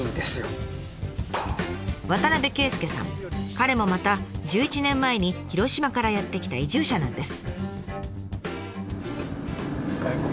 彼もまた１１年前に広島からやって来た移住者なんです。